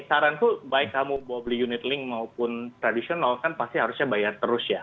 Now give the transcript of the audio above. saranku baik kamu bawa beli unit link maupun tradisional kan pasti harusnya bayar terus ya